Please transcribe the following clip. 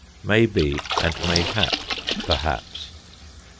May be and Mayhap (Perhaps).